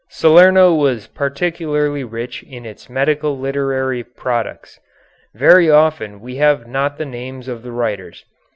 Salerno was particularly rich in its medical literary products. Very often we have not the names of the writers.